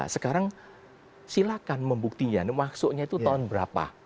sekarang silakan membuktinya maksudnya itu tahun berapa